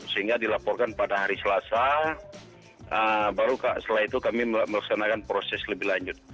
sehingga dilaporkan pada hari selasa baru setelah itu kami melaksanakan proses lebih lanjut